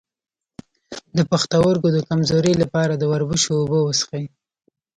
د پښتورګو د کمزوری لپاره د وربشو اوبه وڅښئ